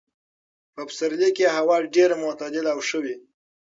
په پسرلي کې هوا ډېره معتدله او ښه وي.